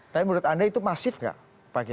tapi menurut anda itu masif nggak pak kiai